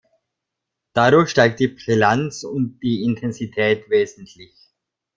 Dadurch steigt die Brillanz und die Intensität wesentlich.